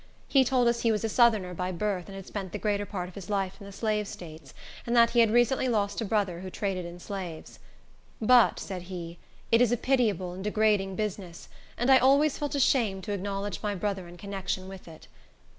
He told us he was a Southerner by birth, and had spent the greater part of his life in the Slave States, and that he had recently lost a brother who traded in slaves. "But," said he, "it is a pitiable and degrading business, and I always felt ashamed to acknowledge my brother in connection with it."